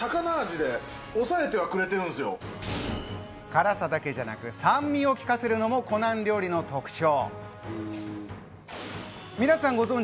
辛さだけじゃなく、酸味を利かせるのも湖南料理の特徴。